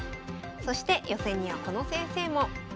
そして予選にはこの先生も。